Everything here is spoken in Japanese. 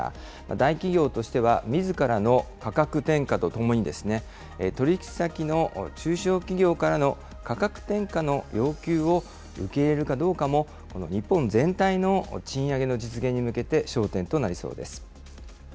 大企業としては、みずからの価格転嫁とともに、取り引き先の中小企業からの価格転嫁の要求を受け入れるかどうかも、この日本全体の賃上げの実現に向けて焦点となりそうです。